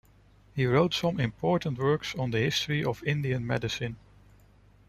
He wrote some important works on the history of Indian medicine.